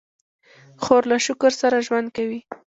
خور له شکر سره ژوند کوي.